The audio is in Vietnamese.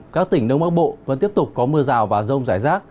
các tỉnh đông bắc bộ vẫn tiếp tục có mưa rào và rông rải rác